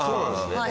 はい。